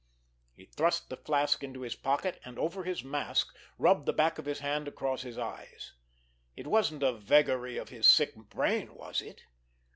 He thrust the flask into his pocket, and, over his mask, rubbed the back of his hand across his eyes. It wasn't a vagary of his sick brain, was it?